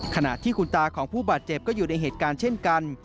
ขณะที่คุณตาของผู้บาดเจ็บก็อยู่ในเหตุการณ์เช่นกัน